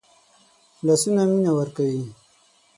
لاسونه مینه ورکوي